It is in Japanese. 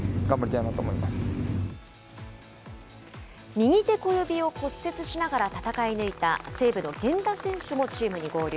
右手小指を骨折しながら戦い抜いた、西武の源田選手もチームに合流。